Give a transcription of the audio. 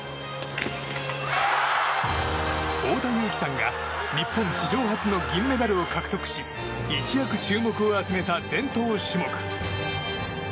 太田雄貴さんが日本史上初の銀メダルを獲得し一躍、注目を集めた伝統種目。